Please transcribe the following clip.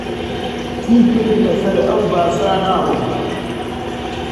چیتر لەسەر ئەو باسە ناڕۆم